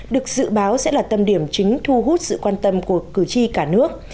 được dự báo sẽ là tâm điểm chính thu hút sự quan tâm của cử tri cả nước